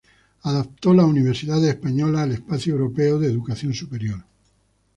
Adaptó las universidades españolas al Espacio Europeo de Educación Superior.